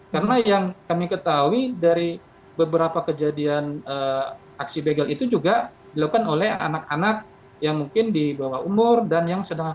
karena yang kami ketahui dari beberapa kejadian aksi begel itu juga dilakukan oleh anak anak yang mungkin di bawah umur dan yang sedang remaja